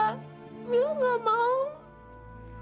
dan mila juga masih ada